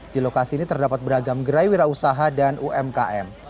di lokasi ini terdapat beragam gerai wirausaha dan umkm